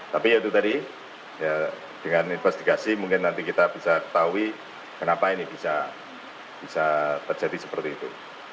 tapi ya itu tadi ya dengan investigasi mungkin nanti kita bisa ketahui kenapa ini bisa terjadi seperti itu